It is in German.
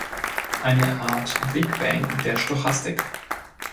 Eine Art Big Bang der Stochastik.